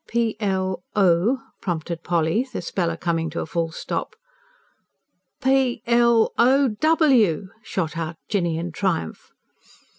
"P l o" prompted Polly, the speller coming to a full stop. "P l o w!" shot out Jinny, in triumph.